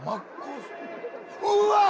「うわっ！」